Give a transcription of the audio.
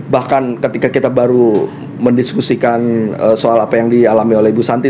bahkan ketika kita baru mendiskusikan soal apa yang dialami oleh ibu santi